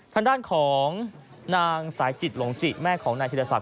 ทางด้านของนางสายจิตหลงจิแม่ของนายธิรศักด